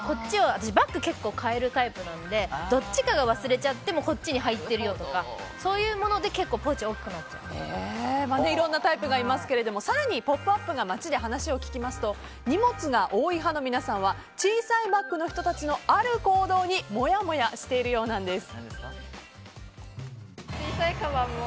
私バッグを結構変えるタイプなのでどっちかを忘れちゃってもこっちに入ってるよとかそういうものでいろいろなタイプがいますが更に「ポップＵＰ！」が街で話を聞きますと荷物が多い派の皆さんは小さいバッグの皆さんのある行動にもやもやしているようなんです。